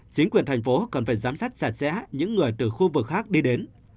chính quyền thành phố cần phải giám sát sạch sẽ những người từ khu vực khác đi đến